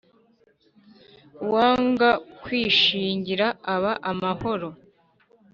uwanga kwishingira aba amahoro